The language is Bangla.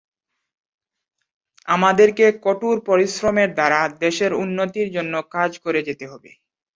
আমাদেরকে কঠোর পরিশ্রমের দ্বারা দেশের উন্নতির জন্য কাজ করে যেতে হবে।